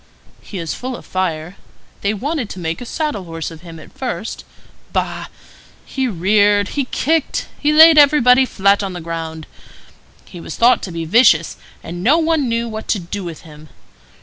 He is full of fire. They wanted to make a saddle horse of him at first. Bah! He reared, he kicked, he laid everybody flat on the ground. He was thought to be vicious, and no one knew what to do with him.